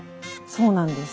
そうなんです。